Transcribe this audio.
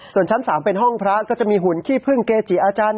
ส่วนชั้น๓เป็นห้องพระก็จะมีหุ่นขี้พึ่งเกจิอาจารย์